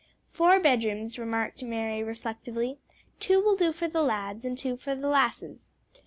"Four bedrooms," remarked Mary reflectively: "two will do for the lads and two for the lasses.